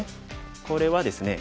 これはですね